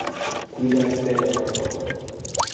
cuida a Estela, por favor.